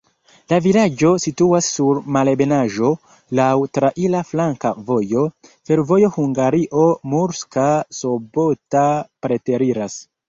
La vilaĝo situas sur malebenaĵo, laŭ traira flanka vojo, fervojo Hungario-Murska Sobota preteriras.